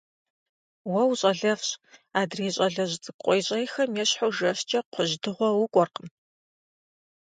Уэ ущӀалэфӀщ, адрей щӀалэжь цӀыкӀу къуейщӀейхэм ещхьу жэщкӀэ кхъужь дыгъуэ укӀуэркъым!